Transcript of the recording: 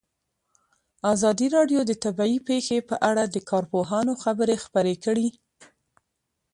ازادي راډیو د طبیعي پېښې په اړه د کارپوهانو خبرې خپرې کړي.